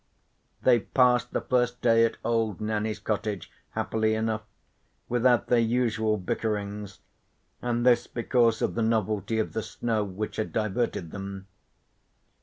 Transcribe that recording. They passed the first day at old Nanny's cottage happily enough, without their usual bickerings, and this because of the novelty of the snow which had diverted them.